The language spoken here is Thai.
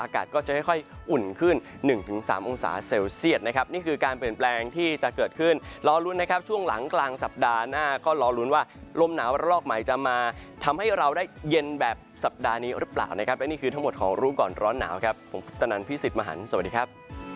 ครับช่วงหลังกลางสัปดาห์หน้าก็รอลุ้นว่าลมหนาวระลอกใหม่จะมาทำให้เราได้เย็นแบบสัปดาห์นี้หรือเปล่านะครับและนี่คือทั้งหมดของรู้ก่อนร้อนหนาวครับผมคุณตนันพี่สิทธิ์มหันสวัสดีครับ